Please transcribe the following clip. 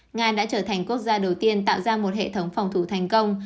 nga đã trở thành quốc gia đầu tiên tạo ra một hệ thống phòng thủ thành công